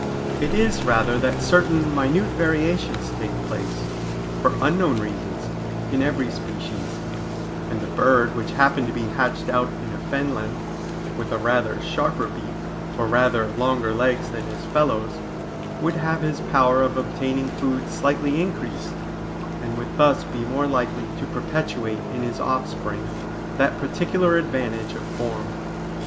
It is rather that certain minute variations take place, for unknown reasons, in every species; and the bird which happened to be hatched out in a fenland with a rather sharper beak or rather longer legs than his fellows, would have his power of obtaining food slightly increased, and would thus be more likely to perpetuate in his offspring that particular advantage of form.